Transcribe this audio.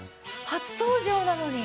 初登場なのに。